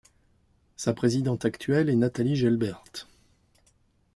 Sa présidente actuelle est Nathalie Gelbert.